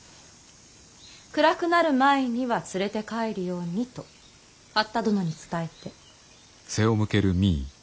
暗くなる前には連れて帰るようにと八田殿に伝えて。